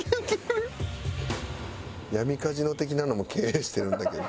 「闇カジノ的なのも経営してるんだけど」。